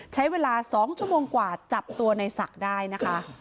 ใช้เวลา๒ชั่วโมงกว่าจับตัวในศักดิ์ได้นะคะ